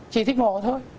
chỉ thích mồ thôi